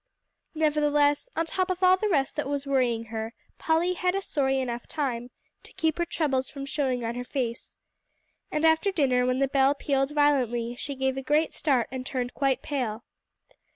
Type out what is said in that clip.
Nevertheless, on top of all the rest that was worrying her, Polly had a sorry enough time, to keep her troubles from showing on her face. And after dinner, when the bell pealed violently, she gave a great start and turned quite pale.